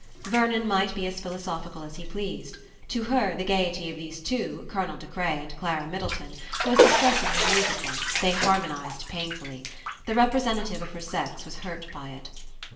Vernon might be as philosophical as he pleased. To her the gaiety of these two, Colonel De Craye and Clara Middleton, was distressingly musical: they harmonized painfully. The representative of her sex was hurt by it.